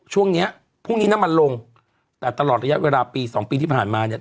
ช่วงเนี้ยพรุ่งนี้น้ำมันลงแต่ตลอดระยะเวลาปีสองปีที่ผ่านมาเนี่ย